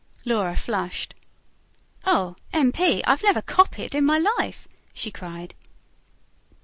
Laura flushed. "Oh, M. P., I've never 'copied' in my life!" she cried.